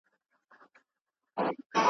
ته مي غوښي پرې کوه زه په دعا یم `